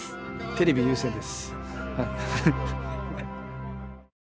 テレビ優先です